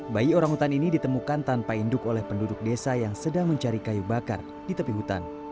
bayi orangutan ini ditemukan tanpa induk oleh penduduk desa yang sedang mencari kayu bakar di tepi hutan